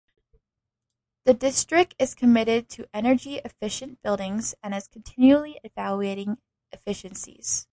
The District is committed to energy efficient buildings and is continually evaluating efficiencies.